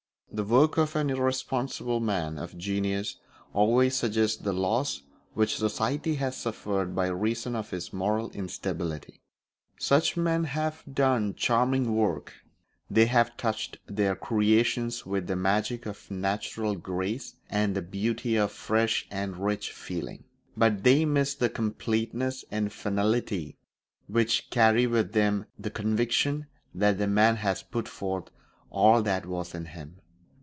The work of an irresponsible man of genius always suggests the loss which society has suffered by reason of his moral instability. Such men have done charming work; they have touched their creations with the magic of natural grace and the beauty of fresh and rich feeling; but they miss that completeness and finality which carry with them the conviction that the man has put forth all that was in him.